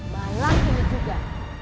malah ini juga